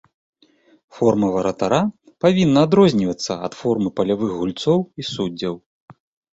Форма варатара павінна адрознівацца ад формы палявых гульцоў і суддзяў.